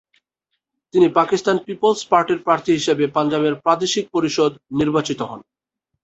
তিনি পাকিস্তান পিপলস পার্টির প্রার্থী হিসেবে পাঞ্জাবের প্রাদেশিক পরিষদ নির্বাচিত হন।